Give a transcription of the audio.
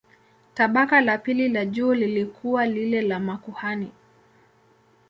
Tabaka la pili la juu lilikuwa lile la makuhani.